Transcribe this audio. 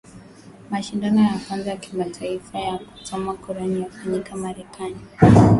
Mashindano ya kwanza ya kimataifa ya kusoma Quran yafanyika Marekani